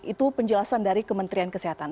itu penjelasan dari kementerian kesehatan